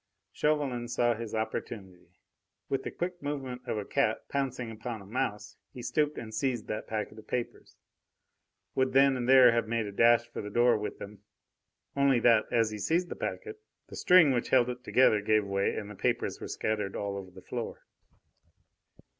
Chauvelin saw his opportunity. With the quick movement of a cat pouncing upon a mouse he stooped and seized that packet of papers, would then and there have made a dash for the door with them, only that, as he seized the packet, the string which held it together gave way and the papers were scattered all over the floor.